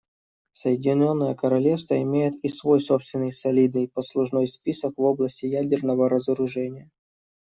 Соединенное Королевство имеет и свой собственный солидный послужной список в области ядерного разоружения.